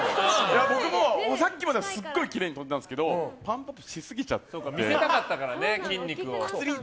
僕もさっきまではきれいに飛んでたんですけどパンプアップしすぎて見せたかったからね、筋肉を。